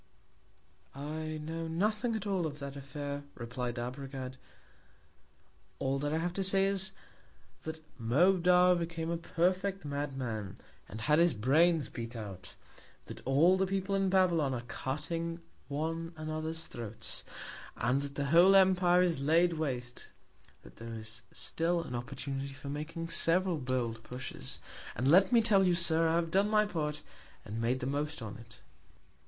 I know nothing at all of that Affair, replied Arbogad, all that I have to say, is, that Moabdar became a perfect Madman, and had his Brains beat out; that all the People in Babylon are cutting one another's Throats, and that the whole Empire is laid waste; that there is still an Opportunity for making several bold Pushes; and let me tell you, Sir, I have done my Part, and made the most on't.